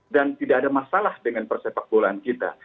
dan tidak ada masalah dengan persepakbolaan kita